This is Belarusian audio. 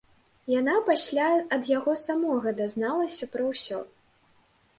Яна пасля ад яго самога дазналася пра ўсё.